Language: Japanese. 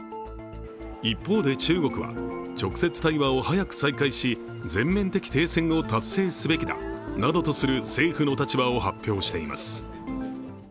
一方で中国は、直接対話を早く再開し全面的停戦を達成すべきだなどとする政府の立場を発表しています。